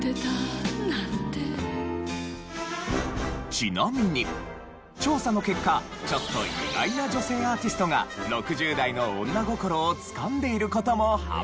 ちなみに調査の結果ちょっと意外な女性アーティストが６０代の女心をつかんでいる事も判明！